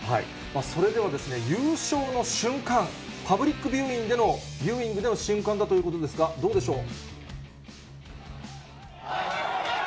それでは、優勝の瞬間、パブリックビューイングでの瞬間だということですが、どうでしょう？